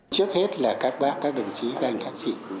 trước hết là các bác các đồng chí các anh các chị